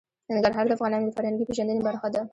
ننګرهار د افغانانو د فرهنګي پیژندنې برخه ده.